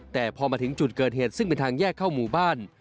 แต่พอมาถึงจุดเกิดเหตุซึ่งเป็นทางแยกเข้าหมู่บ้าน